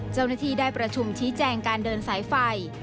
เจ้าหน้าที่ได้ประชุมชี้แจงการเดินสายไฟ